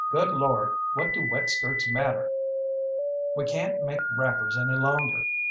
"Good Lord, what do wet skirts matter? We can't make wrappers any longer.